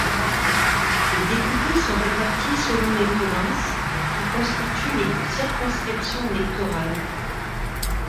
Les députés sont répartis selon les provinces, qui constituent les circonscriptions électorales.